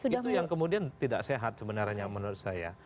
itu yang kemudian tidak sehat sebenarnya menurut saya